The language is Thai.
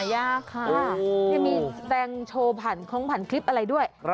ยังมีแสดงโชว์ของผ่านคลิปอะไรด้วย